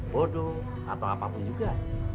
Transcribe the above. bodoh atau apapun juga